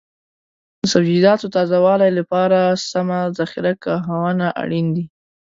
د سبزیجاتو تازه والي لپاره سمه ذخیره ګاهونه اړین دي.